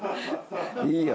いいよ